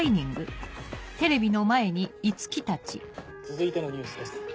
続いてのニュースです。